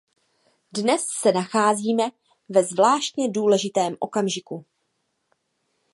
Dnes se nacházíme ve zvláště důležitém okamžiku.